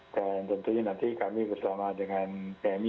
dan tentunya nanti kami bersama dengan pmi